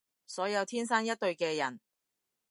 所有天生一對嘅人